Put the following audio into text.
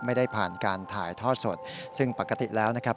ไม่ได้ผ่านการถ่ายทอดสดซึ่งปกติแล้วนะครับ